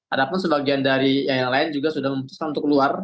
ada pun sebagian dari yang lain juga sudah memutuskan untuk keluar